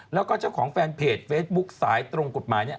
แล้วก็เจ้าของแฟนเพจเฟซบุ๊คสายตรงกฎหมายเนี่ย